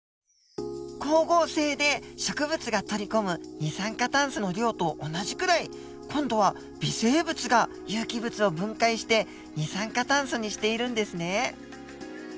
光合成で植物が取り込む二酸化炭素の量と同じくらい今度は微生物が有機物を分解して二酸化炭素にしているんですね。